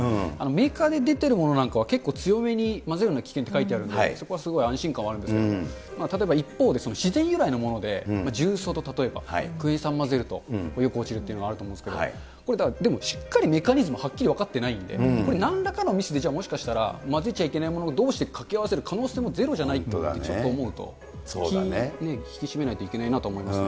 メーカーで出てるものなんかは結構強めに、混ぜるな危険って書いてあるんで、そこはすごい安心感はあるんですけど、例えば一方で自然由来のもので、重曹と、例えばクエン酸混ぜるとよく落ちるというのがあると思うんですけど、これ、だからしっかりメカニズムはっきり分かってないんで、これなんらかのミスで混ぜちゃいけないものどうして掛け合わせる可能性もゼロじゃないってちょっと思うと、気、引き締めなきゃいけないなと思いますね。